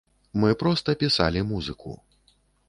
Мы проста пісалі музыку.